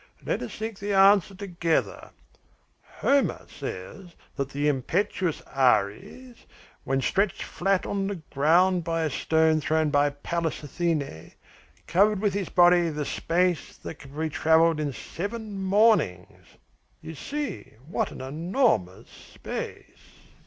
Let us seek the answer together. Homer says that the impetuous Ares, when stretched flat on the ground by a stone thrown by Pallas Athene, covered with his body the space that can be travelled in seven mornings. You see what an enormous space."